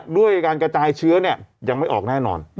ด้วยการกระจายเชื้อยังไม่ออกแน่นอน